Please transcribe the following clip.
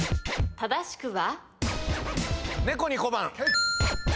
正しくは？